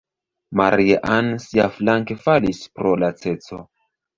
Maria-Ann, siaflanke, falis pro laceco.